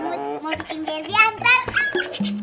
mau bikin derby nanti